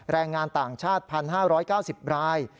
แรงงานต่างชาติ๑๕๙๐ราย